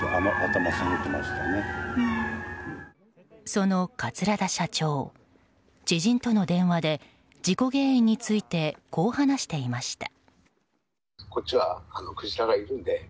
その桂田社長、知人との電話で事故原因についてこう話していました。